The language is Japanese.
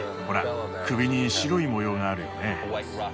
ほら首に白い模様があるよね。